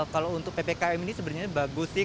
kalau untuk ppkm ini sebenarnya bagus sih